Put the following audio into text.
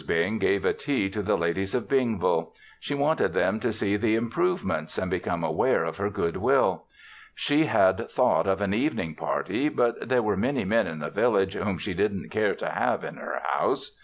Bing gave a tea to the ladies of Bingville. She wanted them to see the improvements and become aware of her good will. She had thought of an evening party, but there were many men in the village whom she didn't care to have in her house.